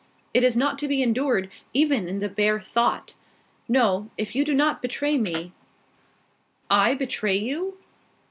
It is not to be endured, even in the bare thought. No. If you do not betray me " "I betray you?"